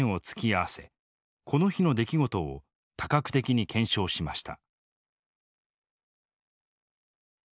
この日の出来事を多角的に検証しました。